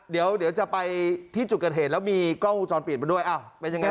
เดี๋ยวจะไปที่จุดเกิดเหตุแล้วมีกล้องวงจรปิดมาด้วยอ้าวเป็นยังไง